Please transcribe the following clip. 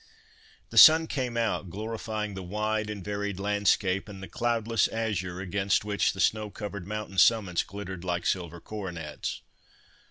The sun came out, glorifying the wide and varied landscape and the cloudless azure against which the snow covered mountain summits glittered like silver coronets.